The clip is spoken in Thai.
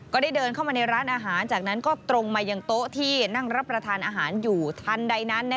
ได้เดินเข้ามาในร้านอาหารจากนั้นก็ตรงมายังโต๊ะที่นั่งรับประทานอาหารอยู่ทันใดนั้น